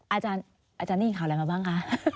อาจารย์อาจารย์นี่ยินข่าวอะไรมาบ้างคะ